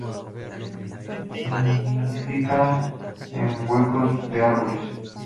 Nidifica en huecos de árboles.